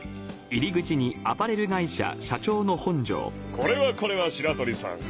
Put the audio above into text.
これはこれは白鳥さん